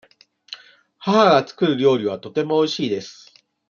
母が作る料理はとてもおいしいです。